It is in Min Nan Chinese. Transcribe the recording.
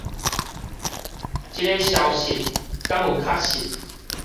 這个消息敢有確實？